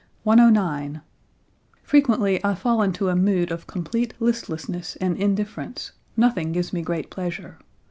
109. "Frequently I fall into a mood of complete listlessness and indifference; nothing gives me great pleasure.